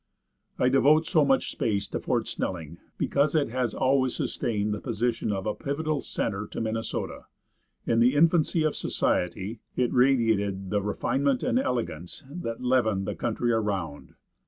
I devote so much space to Fort Snelling because it has always sustained the position of a pivotal center to Minnesota. In the infancy of society, it radiated the refinement and elegance that leavened the country around.